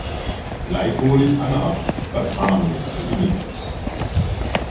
Gleich hol ich Anne ab. Dann fahren wir zu Inis.